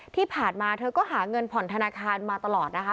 ที่ผ่านมาเธอก็หาเงินผ่อนธนาคารมาตลอดนะคะ